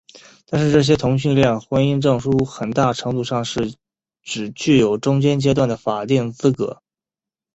但是这些同性恋婚姻证书很大程度上是只具有中间阶段的法定资格。